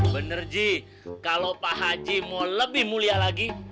bener ji kalau pak haji mau lebih mulia lagi